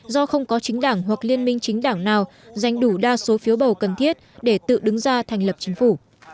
do không có chính đảng hoặc liên minh chính đảng nào giành đủ đa số phiếu bầu cần thiết để tự đứng ra thành lập chính phủ